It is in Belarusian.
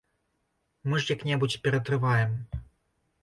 Мы ж як-небудзь ператрываем.